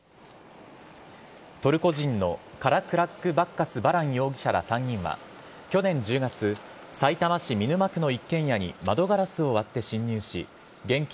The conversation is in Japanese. トルコ人のカラクラック・バッカス・バラン容疑者ら３人は去年１０月さいたま市見沼区の一軒家に窓ガラスを割って侵入し現金